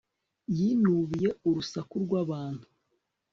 yinubiye urusaku rwabantu